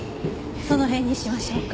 その辺にしましょうか。